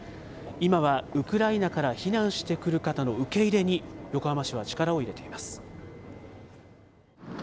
今はウクライナから避難してくる方の受け入れに、横浜市は力を入れています。